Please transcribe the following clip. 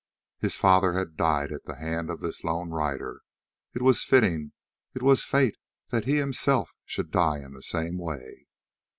His father had died at the hand of this lone rider; it was fitting, it was fate that he himself should die in the same way.